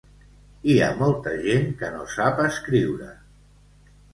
Hi ha molta gent que no sap escriure.